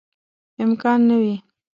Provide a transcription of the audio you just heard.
امکان نه وي.